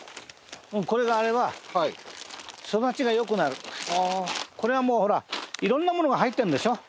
これがあればこれはもうほら色んなものが入ってるでしょ。